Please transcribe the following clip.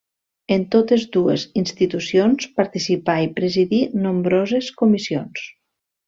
En totes dues institucions participà i presidí nombroses comissions.